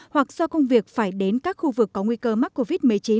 hoặc do công việc phải đến các khu vực có nguy cơ mắc covid một mươi chín